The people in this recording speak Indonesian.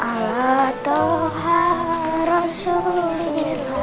allah tuhan rasulullah